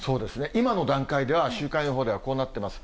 今の段階では、週間予報ではこうなってます。